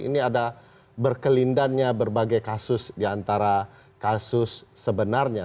ini ada berkelindannya berbagai kasus di antara kasus sebenarnya